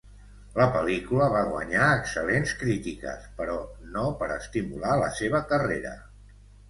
La pel·lícula va guanyar excel·lents crítiques, però no per estimular la seva carrera.